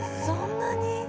そんなに？